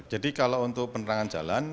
jadi kalau untuk penerangan jalan